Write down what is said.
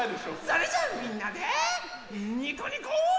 それじゃあみんなでにこにこ。